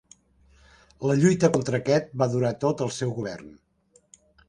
La lluita contra aquest va durar tot el seu govern.